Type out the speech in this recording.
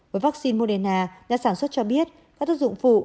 với vaccine moderna nhà sản xuất cho biết các tác dụng phụ